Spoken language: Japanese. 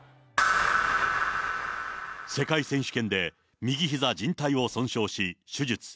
世界選手権で右ひざじん帯を損傷し、手術。